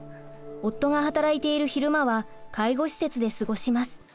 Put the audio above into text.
夫が働いている昼間は介護施設で過ごします。